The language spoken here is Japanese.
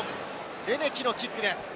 レメキのキックです。